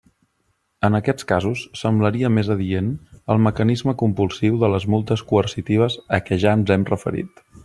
En aquests casos semblaria més adient el mecanisme compulsiu de les multes coercitives a què ja ens hem referit.